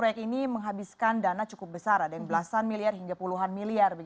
proyek ini menghabiskan dana cukup besar ada yang belasan miliar hingga puluhan miliar